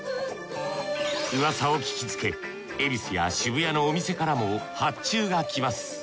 うわさを聞きつけ恵比寿や渋谷のお店からも発注が来ます。